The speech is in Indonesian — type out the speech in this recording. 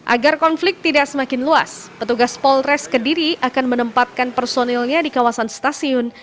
agar konflik tidak semakin luas petugas polres kediri akan menempatkan personilnya di kawasan stasiun